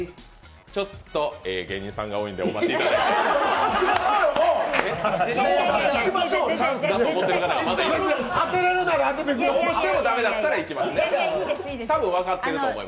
ちょっと芸人さんが多いんで、お待ちになっていただいて。